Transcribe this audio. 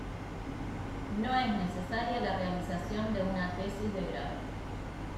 No es necesaria la realización de una tesis de grado.